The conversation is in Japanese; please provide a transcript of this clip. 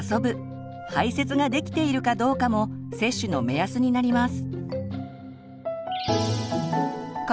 排せつができているかどうかも接種の目安になります。